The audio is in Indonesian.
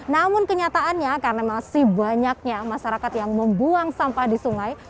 namun kenyataannya karena masih banyaknya masyarakat yang membuang sampah di sungai